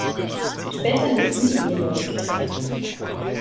Später lebten die Eheleute getrennt.